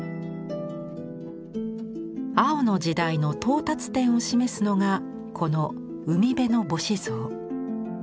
青の時代の到達点を示すのがこの「海辺の母子像」。